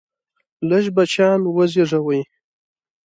لږ بچیان وزیږوئ!